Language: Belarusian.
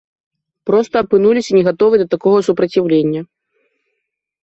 Проста апынуліся не гатовыя да такога супраціўлення.